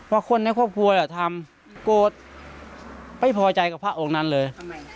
ว่าคนในครอบครัวทำโกรธไม่พอใจกับพระองค์นั้นเลย